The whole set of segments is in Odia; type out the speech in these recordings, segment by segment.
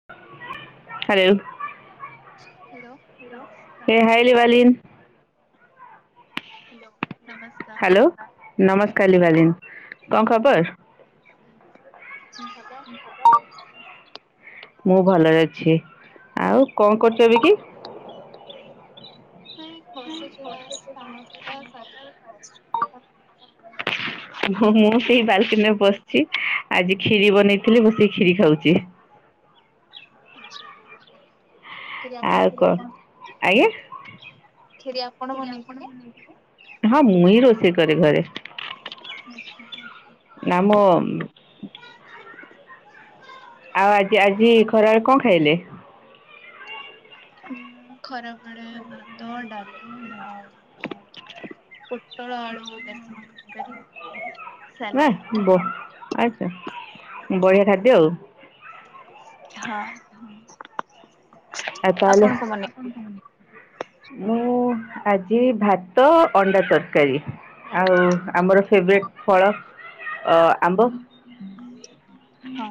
[unintelligible] ହ୍ୟାଲୋ, ନମସ୍କାର। ଏ ହାଇଲି ବାଲି। ହ୍ୟାଲୋ ନମସ୍କାର ହ୍ୟାଲୋ, ନମସ୍କ କାଲିଭାଲି, କଣ ଖବର? ହଲୋ ଆପଣ କେତି ମୁଁ ଭଲରେ ଅଛି, ଆଉ କଣ କରୁଛ ଏବେ କି। ହୁଁ ବସିଚି ବାସ କାମ ଥିଲା ସାରିକି ବସିଚି, ଆପଣ ହଁ ମୁଁ ସେଇ ବାଲକିନି ରେ ବସିଛି, ଆଜି ଖିରି ବନେଇଥିଲି ବସିକି ଖିରି ଖାଉଛି। [unintelligible] ଖିରି ଆପଣ, ଆଉ କ'ଣ ଆଜ୍ଞା ଖିରି ଆପଣ ବନେଇଥିଲେ? ହଁ ମୁଁ ହିଁ ରୋଷେଇ କରେ ଘରେ। [inaudible] ନାମ ଆଉ ଆଜି ଆଜି ଖରାରେ କଣ ଖାଇଲେ? ମୁଁ ଖରାବେଳେ ଭାତ, ଡାଲି ଆଉ ପୋଟଳ ଆଳୁ ବେସନ ତରକାରୀ। ସାଲାଡ ପାମ୍ପଡ଼। [unintelligible] ବଢିଆ ଖାଦ୍ୟ ଆଉ। ହଁ ଏ ତାହେଲେ। ଆପଣ କଣ ବନେଇଥିଲେ? [inaudible] ମୁଁ ଆଜି ଭାତ, ଅଣ୍ଡା ତରକାରୀ। ଆଉ ଆମର ଫେବରଟ୍ ଫଳ ଅ ଆମ୍ବ। [unintelligible] [inaudible] ହଁ।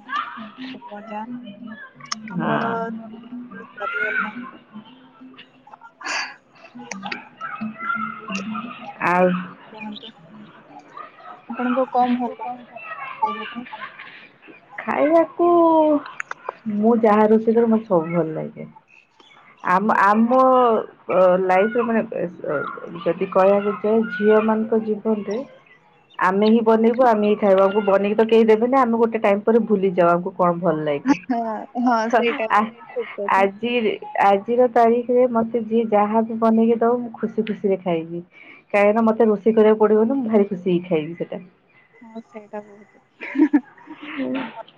ହଁ ସରିଗଲା। ଆଉ। କୁହନ୍ତୁ ଆପଣଙ୍କୁ କଣ ଭଲ ଖାଇବା କୁ। ଖାଇବାକୁ ମୁଁ ଯାହା ରୋଷେଇ କରେ ମତେ ସବୁ ଭଲ ଲାଗେ। ଆମ ଆମ ଲାଇଫ ରେ ମାନେ। ଯଦି କହିବାକୁ ଯାଏ ଝିଅ ମାନଙ୍କ ଜୀବନରେ। ଆମେ ହିଁ ବନେଇୁ ଆମେିଁ ଖାଇବାକୁ ବନେଇକି ତ କେହି ଦେବେନି ଆମେ ଗୋଟେ ଟାଇମ୍ ପରେ ଭୁଲିଯିବାକୁ। କଣ ଭଲ ଲାଗେ। ହଁ ହଁ ସେଇଟା ଠିକ କଥା ଆଜିର ତାରିଖରେ ମତେ ଯିଏ ଯାହା ବି ବନେଇକି ଦବ ମୁଁ ଖୁସି ଖୁସିରେ ଖାଇବି। କାହିଁକିନା ମତେ ରୋଷେଇ କରିବାକୁ ପଡ଼ିବନି ମୁଁ ଭାରି ଖୁସି ହେଇ ଖାଇବି ସେଟା। ହଁ ସେଇଟା ବହୁତ।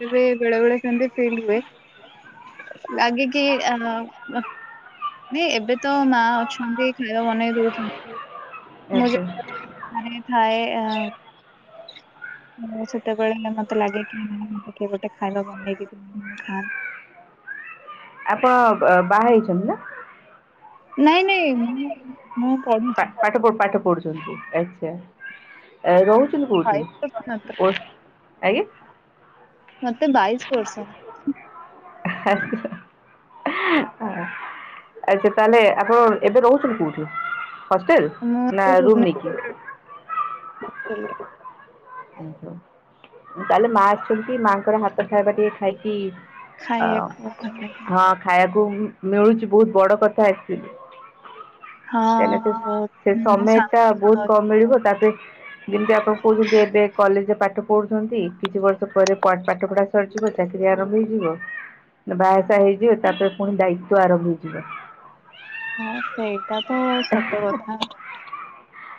ଏବେ ବେଳେ ବେଳେ ସେନ୍ତି ଫିଲ ହୁଏ ଲାଗେ କି। ନାଇଁ ଏବେ ତ ମା ଅଛନ୍ତି ଖାଇବା ବନେଇ ଦଉଛନ୍ତି। [unintelligible] [inaudible] ମୁ ଥାଏ ମୁଁ ସେତେବେଳେ ମତେ ଲାଗେ କି ମୋତେ କିଏ ଗୋଟେ ଖାଇବା ବନେଇକି ଦିଅନ୍ତା ମୁଁ ଖାନ୍ତି। ଆପଣ ବାହା ହେଇଛନ୍ତି ନା। ନାଇଁ ନାଇଁ ମ ହଁ ପଢି ପାଠ ପାଠ ପଢୁଛନ୍ତି ଆଚ୍ଛା ରହୁ ବାଇଶ ବର୍ଷ ମାତ୍ର ଆଜ୍ଞ। ମୋତେ ବା [unintelligible] ଆଚ୍ଛା ତାହେଲେ ଆପଣ ଏବେ ରହୁଛନ୍ତି କୋଉଠି ହଷ୍ଟେଲ ମୁଁ ନା ଏବେ ରୁମ ନେଇକି। ଭୁବନେଶ୍ୱରରେ ହଷ୍ଟେଲରେ ତାହେଲେ ମା ଆସିଛନ୍ତି ମାଆଙ୍କର ହାତ ଖାଇବା ଟିକେ ଖାଇକି। ଆଉ ଖାଇବାକୁ ଭଲ ଲାଗେ ହଁ। ଖାଇବାକୁ ମିଳୁଛି ବହୁତ ବଡ଼ କଥା ଆସି। ହଁ କହିଲା ବହୁତ ସେ ମାନେ ସମୟ ଟା ଶାନ୍ତି ବହୁତ କମ ମିଳିବ ତାପ ଯେମିତି ଆପଣ କହୁ ଏବେ କଲେଜରେ ପାଠ ପଢ଼ୁଛନ୍ତି କିଛି ବର୍ଷ ପରେ ପାଠପଢ଼ା ସରିଯିବ ଚାକିରି ଆରମ୍ଭ ହେଇଯିବ। [unintelligible] ବାହାସାହା ହେଇଯିବେ ତାପରେ ପୁଣି ଦାଇତ୍ୱ ଆରମ୍ଭ ହେଇଯିବ‌। ହଁ ସେଇଟା ତ ସତ କଥା।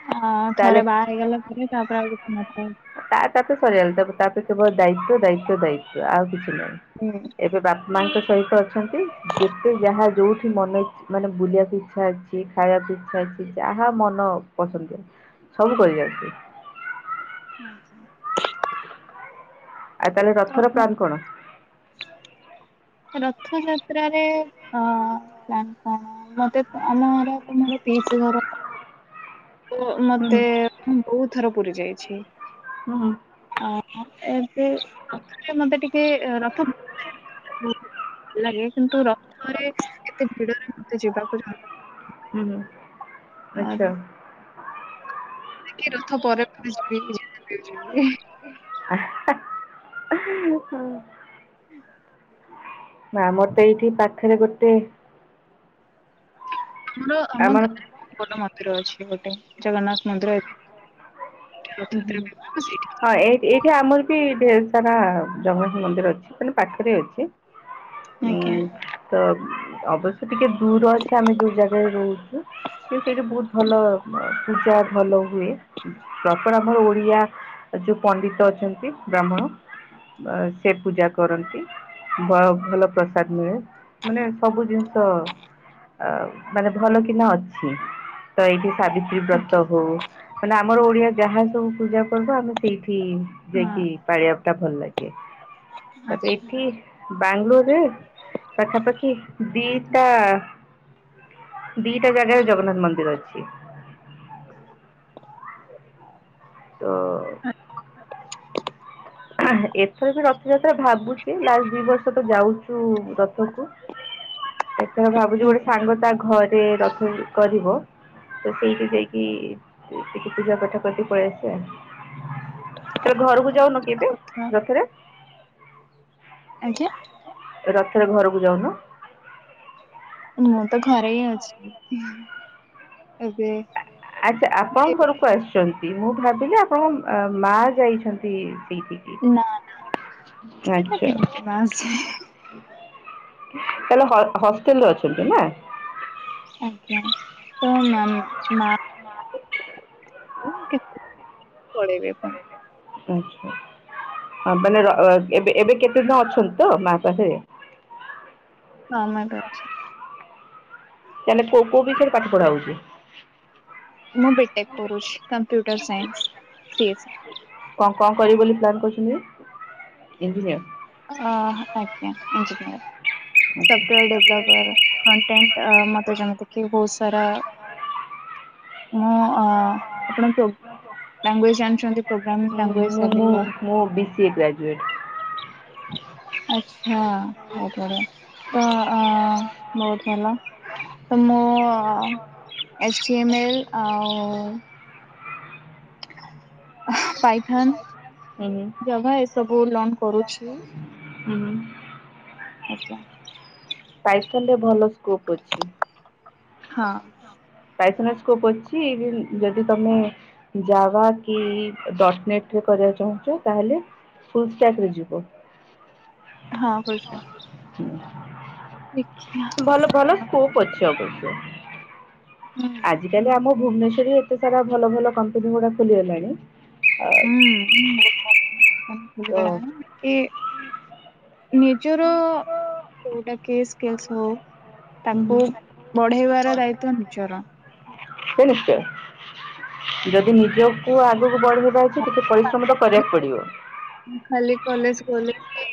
ହଁ ଥରେ ତାହେଲେ ବାହା ହେଇଗଲା ପରେ ତାପରେ ଆଉ କିଛିନଥାଏ। ତା ତାପରେ ସରିଗଲା ତା ତାପରେ ସବୁ ଦାଇତ୍ୱ ଦାଇତ୍ୱ ଦାୟିତ୍ୱ ଆଉ କିଛି ନାହିଁ। ହୁଁ। ଏବେ ବାପା ମାଙ୍କ ସହିତ ଅଛନ୍ତି ଯେତେ ଯାହା ଯେଉଁ ମନ ମାନେ ବୁଲିବାକୁ ଇଚ୍ଛା ଅଛି ଖାଇବାକୁ ଇଛା ଅଛି ଯାହା ମନ ପସନ୍ଦିଆ। ସବୁ କରି ଆଇଛି। ଆଜ୍ଞା। ଆଉ ତାହେଲେ ରଥର ପ୍ଲାନ କଣ। ରଥଯାତ୍ରାରେ ଅଁ ପ୍ଲାନ କଣ। ଆମର ତମର ପିଇସୀ ଘର। ତ ହୁଁ ମତେ ହୁଁ ମୁଁ ବହୁତ ଥର ପୁରୀ ଯାଇଛି। ହୁଁ ହୁଁ। ଅ ଏବେ ରଥ ମତେ ଟିକେ ରଥ ବହୁତ ଭଲ ଲାଗେ କିନ୍ତୁ ରଥରେ ଏତେ ଭିଡରେ ମତେ ଯିବାକୁ ଚାହୁ ହୁଁ ଆଛା। ଟିକିଏ ରଥ ପରେ ପହଜିବି ଯିବି ହଁ [unintelligible] ନା ଆମର ତ ଏଇଠି ପାଖରେ ଗୋଟେ ଆମର ଆମ ଗାଁରେ ବହୁ ବଡ ମନ୍ଦିର ଅଛି ଗୋଟେ ଜଗନ୍ନାଥ ମନ୍ଦିର ଅଛି ହୁଁ ହୁଁ ହ ହଁ ଏଇ ଏଇଠି ଆମର ବି ଢେଙ୍କାନାଲ ଜଗନ୍ନାଥ ମନ୍ଦିର ଅଛି ମାନେ ପାଖରେ ଅଛି। ହୁଁ ଆଜ୍ଞା। ତ ଅବଶ୍ୟ ତ ଟିକେ ଦୂର ଅଛି ଆମେ ଯୋଉ ଜାଗାରେ ରହୁଛୁ ସେଇଠି ବହୁତ ଭଲ ପୂଜା ଭଲ ହୁଏ। ପ୍ରପର ଆମର ଓଡିଆ ଯୋଉ ପଣ୍ଡିତ ଅଛନ୍ତି ବ୍ରାହ୍ମଣ। ସେ ପୂଜା କରନ୍ତି। ଵ ଭଲ ପ୍ରସାଦ ମିଳେ ମାନେ ସବୁ ଜିନିଷ ଅ ମାନେ ଭଲ କି ନା ଅଛି ତ ଏଇଠି ସାବିତ ବ୍ରତ ଆଜ୍ଞା। ହଉ ମାନେ ଆମର ଓଡିଆ ଯାହା ସବୁ ପୂଜା ପ୍ରବ୍ ଆମେ ସେଇଠି ଆଜ୍ଞା ଯାଇକି ପାଳଆ ଟା ଭଲ ଲାଗେ ହଁ ତାପ ଆଚ୍ଛା ଏଇଠି ବାଙ୍ଗଲୋରରେ ପାଖାପାଖି ଦିଟା ଦିଟା ଜାଗାରେ ଜଗନ୍ନାଥ ମନ୍ଦିର ଅଛି। ତ ଆଁ ଏଥର ରଥଯାତ୍ରା ଭାବୁଛି ଲାଷ୍ଟ ଦି ବର୍ଷ ତ ଯାଉଛୁ ରଥକୁ ଏଥର ଭାବୁଛି ଗୋଟେ ଆଜ୍ଞା ସାଙ୍ଗ ତା ଘରେ ରଥ କରିବ। ତ ସେଇଠି ଯାଇକି ଟିକେ ପୂଜା ପାଠ କରିଦି ପଳେଇ ଆସିବ। ତବେ ଘରକୁ ଯାଉନ ଭଲ କେବେ କଥା ରାତିରେ। ଆଜ୍ଞା। ରଥରେ ଘରକୁ ଯାଉନ। ମୁଁ ତ ଘରେ ହିଁ ଅଛି ଏବେ। ଆଛା ଆପଣଙ୍କ କସ ସେମିତି ମୁଁ ଭାବିଲି ଆପଣଙ୍କ ମା ଯାଇଛନ୍ତି ସେଇଠି। ନା ନା କେ ବାସ [unintelligible] ତାଲେ ହ ହଷ୍ଟେଲରେ ଅଛନ୍ତି ନା। ଆଜ୍ଞା ତ ମାମ୍ ମା ହଁ କେତେ ପଳେଇବେ ଆପଣ। ଆଛା। ହଁ ମାନେ ଏବେ ଏବେ କେତେଦିନ ଅଛନ୍ତି ତ ମା ପାଖରେ ମାମା ଏବେ ଅଛି। ତାହାଲେ କଉ କଉ ବିଷୟରେ ପାଠ ପଢ଼ା ହଉଛି। ମୁଁ ବିଟେକ୍ କରୁଛି କମ୍ପ୍ୟୁଟର ସାଇନ୍ସ ସି ଏସ୍ କଣ କଣ କରିବି ବୋଲି ପ୍ଲାନ୍ କରିଛନ୍ତି ଇଞ୍ଜିନିୟର? ଅ ଆଜ୍ଞା ଇଞ୍ଜିନିୟର୍ ସଫ୍ଟୱେର ଡେଭଲପର୍ କଣ୍ଟେଣ୍ଟ ଅ ମତେ ଯେମିତି କି ବହୁତସାରା ମୁଁ ଅ ଆପଣ ପ୍ରୋ ଲାଙ୍ଗୁଏଜ ଜାଣିଛନ୍ତି ପ୍ରୋଗ୍ରାମିଙ୍ଗ ଲାଙ୍ଗୁଏଜ ମୁଁ ମୁଁ ହଉ ମୁଁ ବିସିଏ ଗ୍ରାଜୁଏଟ୍। ଆଛା ତାପରେ ତ ଅ ବହୁତ ଭଲ। ତ ମୁଁ ଅ ଏଚ ଟି ଏମ ଏଲ ଆଉ ପାଇଥାନ ହୁଁ ହୁଁ ଜାଭା ଏସବୁ ଲର୍ନ କରୁଛି। ହୁଁ। ଆଚ୍ଛା। ପାଇଥନ୍ ରେ ଭଲ ସ୍କୋପ୍ ଅଛି। ହଁ। ପାଇଥନ୍ ରେ ସ୍କୋପ ଅଛି କି ଯଦି ତମେ। ଯାଭା କି ଡଟ୍ ନେଟରେ କରିବାକୁ ଚାହୁଁଚ ତାହେଲେ। ଫୁଲ୍ ଷ୍ଟାକ୍ ରେ ଯିବ। ହଁ ଫୁଲଷ୍ଟାକ୍। ହୁଁ ଭଲ ଭଲ କଣ ସ୍କୋପ୍ ଅଛି ଅବଶ୍ୟ। ହୁଁ। ଆଜିକାଲି ଆମ ଭୁବନେଶ୍ୱରରେ ଏତେ ସାରା ଭଲ ଭଲ କମ୍ପାନୀ ଗୁଡା ଖୋଲିଗଲାଣି। ଆଉ ହୁଁ ବହୁତ୍ କମ୍ପାନୀ ତ ଖୋଲିଗଲାଣି। କିଏ ନିଜର ଯୋଉଟା କି ସ୍କିଲ୍ସ ହଉ। ହୁଁ ହୁଁ ତାକୁ ବଢେଇବାର ଦାୟିତ୍ୱ ନିଜର। ସେ ନିଶ୍ଚୟ ଯଦି ନିଜକୁ ଆଗକୁ ବଢେଇବା। କିଛି କିଛି ପରିଶ୍ରମ୍ ତ କରିବାକୁ ପଡିବ। ମୁଁ ଖାଲି କଲେଜ୍ ଗଲେ। କି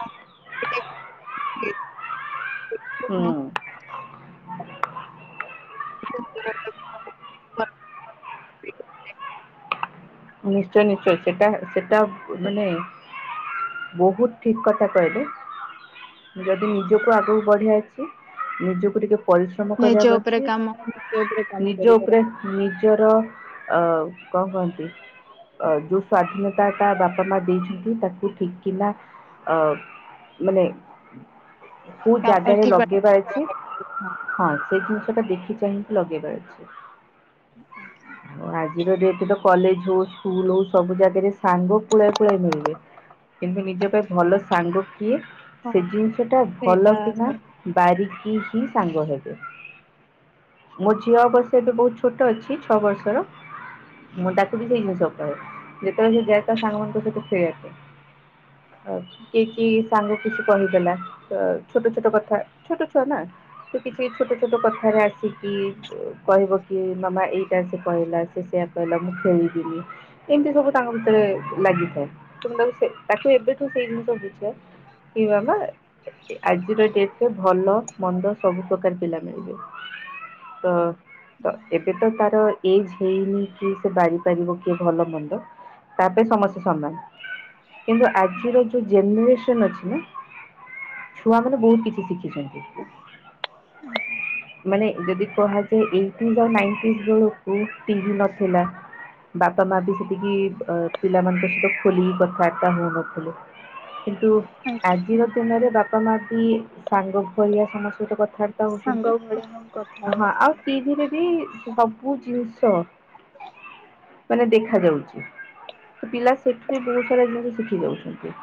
ଆଜ୍ଞା ହୁଁ। [unintelligible] ହଁ ନିଶ୍ଚୟ ନିଶ୍ଚୟ ସେଟା ସେଟା ମାନେ। ବହୁତ୍ ଠିକ୍ କଥା କହିଲେ। ଯଦି ନିଜକୁ ଆଗକୁ ବଢ଼ିବା ଅଛି ନିଜକୁ ଟିକେ। ପରିଶ୍ରମ ନିଜ କରିବାକୁ ଉପରେ କାମ ନିଜ ଉପରେ ଅଛି କାମ ନିଜ କରିବାର ଉପରେ। ନିଜର ଅ କଣ କହନ୍ତି। ଅ ଯୋଉ ସ୍ଵାଧୀନତା ତା ବାପା ମା ଦେଇଛନ୍ତି ତାକୁ ଠିକ୍ କିନା ଅ। ମାନେ କୋଉ ଜାଗାରେ ଠିକ ବାଟ ଲଗେଇବାର ଅଛି। ହଁ ସେଇ ଜିନିଷ ଟା ଦେଖି ଚାହିଁକି ଲଗେଇବାର ଅଛି। ଆଜ୍ଞା ଆଚ୍ଛା। ଆଉ ଆଜିର ଡେଟ୍ ତ କଲେଜ ଯୋ ସ୍କୁଲ୍ ହଉ ସବୁ ଜାଗାରେ ସାଙ୍ଗ ପୁଳାଏ ପୁଳାଏ ମିଳିବେ କିନ୍ତୁ ନିଜ। ତ ଏ ଭଲ ସାଙ୍ଗ କିଏ ହଁ ସେ ଜିନିଷ ଟା ସେଇଟା ଭଲକିନା। ବାରିକି ହି ସାଙ୍ଗ ହେବେ। ମୋ ଝିଅ ଅବଶ୍ୟ ଏବେ ବହୁତ୍ ଛୋଟ ଅଛି ଛଅ ବର୍ଷର ମୁଁ ତାକୁ ଟିକେ [unintelligible] ଯେତେବେଳେ ସେ ଯାଏ ତା ସାଙ୍ଗମାନଙ୍କ ସହିତ ଖେଳିବା ପାଇଁ। ଅ କି କି ସାଙ୍ଗ। କିଛି କହିଦେଲା ତ ଛୋଟ ଛୋଟ କଥା ଛୋଟ ଛୁଆ ନା। ତ କିଛି ଛୋଟ ଛୋଟ କଥାରେ ଆସିକି କହିବ କି ମାମା ଏଇଟା ସେ କହିଲା ସେ ସେଇଆ। କହିଲା ମୁଁ ଖେଳିବିନି। ଏମତି ସବୁ ତାଙ୍କ ଭିତରେ ଲାଗିଥାଏ ତ ମୁଁ ତାକୁ ତାକୁ ସେ ତାକୁ ଏବେଠୁ ସେଇ ଜିନିଷ ବୁଝାଏ। କି ମାମା। ଆଜିର ଡେଟ୍ ରେ ଭଲ ମନ୍ଦ ସବୁ ପ୍ରକାର ପିଲା ମିଳିବେ। ତ ତ ଏବେ ତ ତାର ଏଜ୍ ହେଇନି କି ସେ ବାରି ପାରିବ। କିଏ ଭଲ ମନ୍ଦ ତା ପାଇଁ ସମସ୍ତେ ସମାନ୍। କିନ୍ତୁ ଆଜିର ଯୋଉ ଜେନେରେସନ ଅଛି ନା ଛୁଆ ମାନେ ବହୁତ କିଛି ଶିଖି ମାନେ ଯଦି। କହନ୍ତି ଏଇଟିଜ୍ ଆଉ ନାଇଣ୍ଟିଜ୍ ବେଳୁକୁ ପିନ୍ଧି ନଥିଲା। ବାପା ମା ବି ସେତିକି ଅ ପିଲାମାନଙ୍କ ସହିତ ଖୋଲିକି କଥାବାର୍ତ୍ତା ହଉନ କିନ୍ତୁ ଆଜିର ଦିନରେ ବା ପା ମା ବି ସାଙ୍ଗ ଭଳିଆ ତମ ସହିତ କଥା ସାଙ୍ଗ ଭଳିଆ ହିଁ କଥା ହଁ ଆଉ ହଉଛନ୍ତି। ଟିଭିରେ ବି ସବୁ ଜିନିଷ ମାନେ ଦେଖା ଯାଉଛି ପିଲା ସେଠୁ ବି ବହୁତ ସାରା ଜିନିଷ ଶିଖି ଯାଉଛନ୍ତି।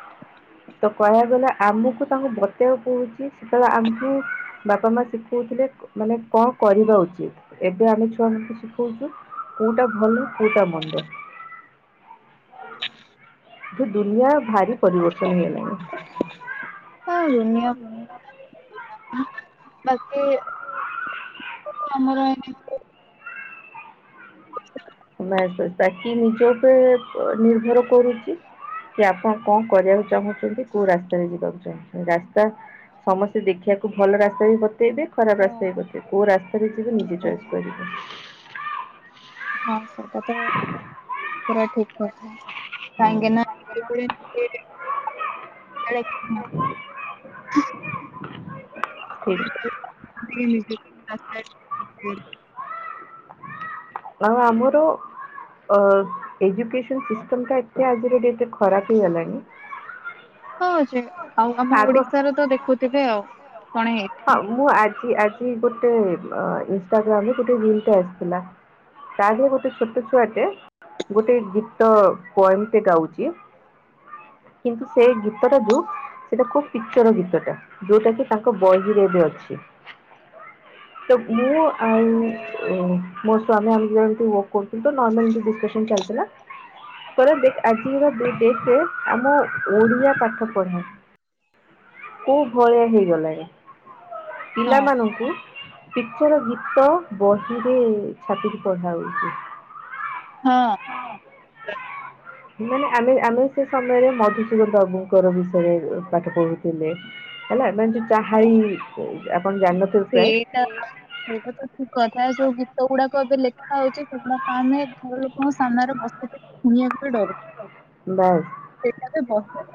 [inaudible] ତ କହିବାକୁ ଗଲେ ଆମକୁ ତାଙ୍କୁ ବତେଇକୁ ପଡ଼ୁଚି ସେତେବେଳେ ଆମକୁ ବାପା ମା ଶିଖଉଥିଲେ। ମାନେ କଣ କରିବା ଉଚିତ ଏବେ ଆମେ ଛୁଆମାନଙ୍କୁ ଶିଖଉଛୁ କୋଉଟା କୋଉଟା ଭଲ କୋଉଟା ମନ୍ଦ। [inaudible] ଦୁନିଆ ଭାରି ପରିବର୍ତ୍ତନ ହେଇଗଲା। ହଁ ଦୁନିଆଁ। ବାକି ଆମର। [inaudible] କି ନିଜ ଉପରେ ନିର୍ଭର କରୁଚି। କି ଆପଣ କଣ କରିବାକୁ ଚାହୁଁଛନ୍ତି କୋଉ ରାସ୍ତାରେ ଯିବାକୁ ଚାହୁଁଛନ୍ତି? ରାସ୍ତା ସମସ୍ତେ ଦେଖିବାକୁ ଭଲ ରାସ୍ତା ବି ବତେଇଦେବେ। ଖରାପ ରାସ୍ତା ବି ଵତେଇଦେବେ କୋଉ ରାସ୍ତାରେ ଯିବେ ନିଜେ ଚଏସ୍ କରିବେ। ହଁ ସେଟା ତ ପୁରା ଠିକ୍ କଥା କାହିଁକି ନା [inaudible] [inaudible] ଠିକ୍ [inaudible] ଆଉ ଆମର ଓ ଏଜୁକସନ ସିଷ୍ଟମଟା ଏତେ ଆଜିର ଡେଟରେ ଖରାପ ହେଇଗଲାଣି‌ ହଁ ଯେ ଆଉ ଆମ ଆଗ ଓଡିଶା ର ତ ଦେଖୁଥିବେ ଆଉ କଣେ ହେଇ ହଁ ମୁଁ ଆଜି ଆଜି ଗୋଟେ ଇନଷ୍ଟାଗ୍ରାମରେ ଗୋଟେ ରିଲ୍ ଟେ ଆସିଥିଲା। ତାଠୁ ଗୋଟେ ଛୋଟ ଛୁଆଟେ ଗୋଟେ ଗୀତ ପୋଏମେ ଟେ ଗାଉଚି। କିନ୍ତୁ ସେଇ ଗୀତ ଟାକୁ ସେଟା ଖୁବ୍ ପିକ୍ଚର ଗୀତ ଟା ଯୋଉଟା କି ତାଙ୍କ ବହିରେ ଏବେ ଅଛି। ତ ମୁଁ ଆଉ ମୋ ସ୍ଵାମୀ ଆମେ ଦି ଯଣଥିମୁ। ପୋଟୁ ତ ନର୍ମାଲ ଟି ଡିସକସନ୍ ଚାଲିଥିଲା। ଆଜିରଡେଟେରେ ଆମ ଓଡିଆ ପାଠ ପଢା। [inaudible] କୋଉ ଭଳିଆ ହେଇଗଲାଣି ହଁ ପିଲାମାନଙ୍କୁ ପିକିଚର ଗୀତ ବହିରେ ଛାପିକି ପଢା ହୋଉଚି। ହଁ। ମାନେ ଆମେ ଆମେ ସେ ସମୟରେ ମଧୁସୂଦନ ବାବୁଙ୍କର ବିଷୟରେ ପାଠ ପଢୁଥୁଲେ। ହେଲା ଏବେ ଏମିତି ଚାହାଳି ଆପଣ ଜାଣିନଥିବେ। ସେ ହୁଁ। ସେଇଟା ତ ଠିକ୍ କଥା ଯୋଉ ଗୀତ ଗୁଡାକ ଏବେ ଲେଖା ହଉଛି ସେଗୁଡାକ ଆମେ ଘର ଲୋକଙ୍କ ସାମ୍ନାରେ ବସିକିରି ଶୁଣିବାକୁ ପ୍ରଏ ଡରୁଚୁ। ବାଏ। ସେଇଟା ତ ବସେ।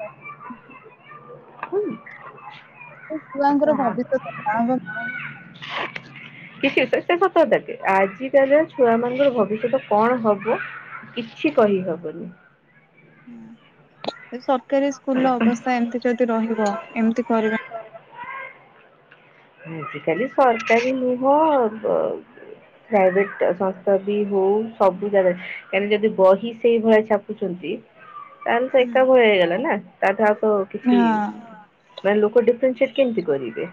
ଛୁଆଙ୍କର ଭବିଷ୍ୟତ କଣ ହବ [unintelligible] [unintelligible] ଆଜି କାଲିଆ ଛୁଆ ମାନେ ଭବିଷ୍ୟତ କଣ ହବ? କିଛି କହିହବନି। ହୁଁ ସରକାରୀ ସ୍କୁଲ ର ଅବସ୍ଥା ଏମତି ଯଦି ରହିବ ଏମିତି କରିବା ଆଜି କାଲି ସରକାରୀ ନୁହଁ [unintelligible] ପ୍ରାଇଭେଟ ସଂସ୍ଥା ବି ହଉ ସବୁ ଜାଗାରେ କାହିଁକିନା ଯଦି ବହି ସେଇ ଭଳିଆ ଛାପୁଛନ୍ତି ତାହେଲେ ତ ହଁ ଏକା ଭଲି ହେଇଗଲା ନା ତା ଠୁ ଆଉ ତ କିଛି ମାନେ ଲୋକ ଡିଫରେନ୍ସିଟ କେମିତି କରିବେ?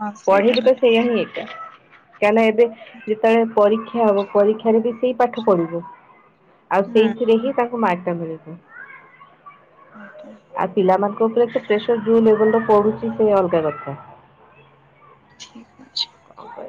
ହଁ ସେଇଟା ପଢ଼େଇବୁ ତ ଠିକ ସେଇଆ ହିଁ ଏକା କାହିଁକି ନା ଏବେ ଯେତେବେଳେ ପରୀକ୍ଷା ହବ ପରୀକ୍ଷାରେ ବି ସେଇ ପାଠ ପଢ଼ିବୁ ଆଉ ହୁଁ ସେଇଥିରେ ହିଁ ତାଙ୍କୁ ମର୍କ ମିଳିବ। ଆଜ୍ଞା। ଆଉ ପିଲାମାନଙ୍କ ଉପରେ ତ ପ୍ରେସର ଯୋଉ ଲେବଲ ର ପଡ଼ୁଛି ସେ ଅଲଗା କଥା। ଠିକ୍ ଅଛି। ଆଉ କଣ?